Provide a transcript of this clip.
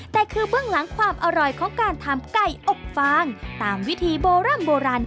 แต่คือเบื้องหลังความอร่อยของการทำไก่อบฟางตามวิธีโบร่ำโบราณ